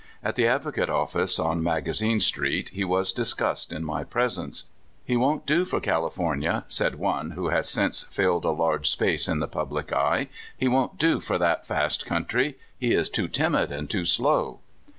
At the Advocate office, on Magazine Street, he was dis cussed in my presence. *' He won't do for Cali fornia," said one who has since filled a large space in the public eye; "he won't do for that fast country — he is too timid and too slow."